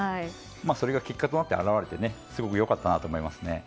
それが結果となって表れてすごく良かったなと思います。